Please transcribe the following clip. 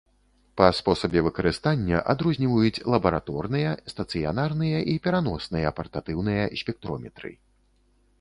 Па спосабе выкарыстання адрозніваюць лабараторныя, стацыянарныя і пераносныя партатыўныя спектрометры.